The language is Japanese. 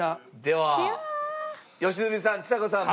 では良純さんちさ子さん